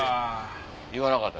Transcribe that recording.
言わなかった？